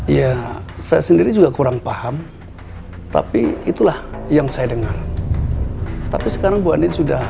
ya saya sendiri juga kurang paham tapi itulah yang saya dengar tapi sekarang bu ani sudah